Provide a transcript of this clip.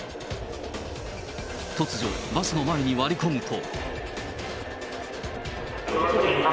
突如、バスの前に割り込むと。